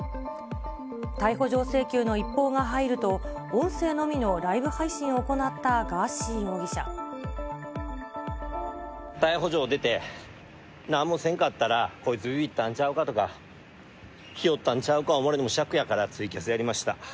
逮捕状請求の一報が入ると、音声のみのライブ配信を行ったガ逮捕状出て、なんもせんかったら、こいつビビったんちゃうかとか、ひよったんちゃうか思われてもしゃくやから、ツイキャスやりました。